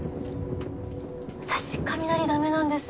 私雷ダメなんです。